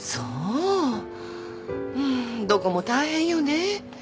うんどこも大変よね。